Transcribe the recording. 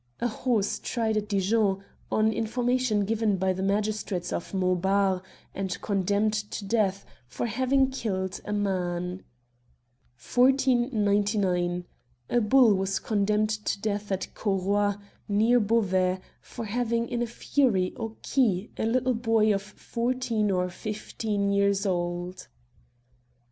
A horse tried at Dijon, on information given by the magistrates of Montbar, and condemned to death, for having killed a man. 1499. A bull was condemned to death at Cauroy, near Beauvais, for having in a fury " occis " a little boy of fourteen or fifteen years old.